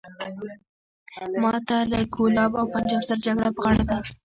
ماته له کولاب او پنجاب سره جګړه په غاړه ده.